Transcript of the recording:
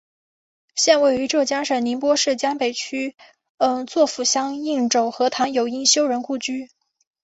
现位于浙江省宁波市江北区乍浦乡应家河塘有应修人故居。